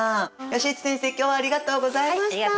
葭内先生今日はありがとうございました。